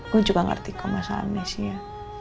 gue juga ngerti kok masalahnya sih ya